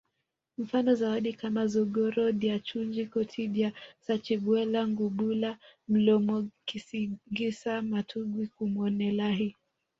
Mfano zawadi kama zogoro dya chunji koti dya sachibwela ngubula mlomokisingisa magutwi kumwonelahi